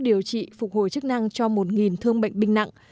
điều trị phục hồi chức năng cho một thương bệnh binh nặng